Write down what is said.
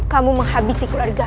kamu menghabisi keluarga